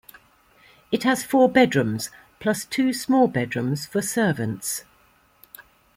It has four bedrooms, plus two small bedrooms for servants.